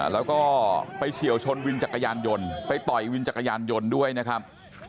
แล้วก็ไปเฉียวชนวินจักรยานยนต์ไปต่อยวินจักรยานยนต์ด้วยนะครับ